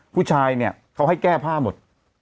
ผู้ชายเนี่ยเขาให้แก้ผ้าหมด